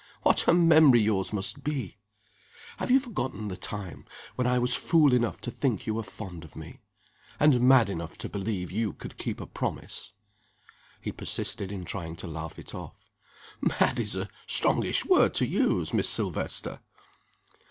What a memory yours must be! Have you forgotten the time when I was fool enough to think you were fond of me? and mad enough to believe you could keep a promise?" He persisted in trying to laugh it off. "Mad is a strongish word to use, Miss Silvester!"